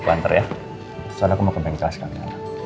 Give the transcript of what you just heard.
lantar ya soalnya aku mau ke bengkel sekarang